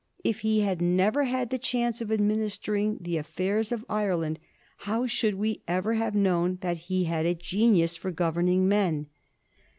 If he had never had the chance of adminis tering the affairs of Ireland, how should we ever have known that he had a genius for governing men?